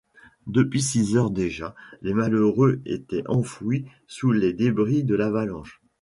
Depuis six heures déjà, les malheureux étaient enfouis sous les débris de l’avalanche.